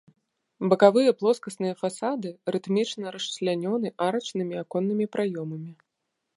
Бакавыя плоскасныя фасады рытмічна расчлянёны арачнымі аконнымі праёмамі.